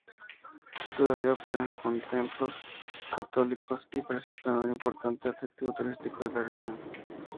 Todavía operan como templos católicos, y presentan un importante atractivo turístico de la región.